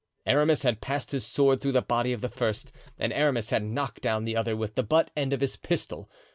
Aramis had passed his sword through the body of the first and Athos had knocked down the other with the butt end of his pistol.